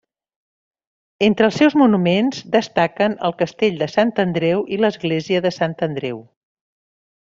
Entre els seus monuments destaquen el Castell de Sant Andreu i l'Església de Sant Andreu.